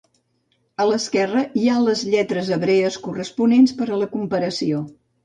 A l'esquerra hi ha les lletres hebrees corresponents per a la comparació.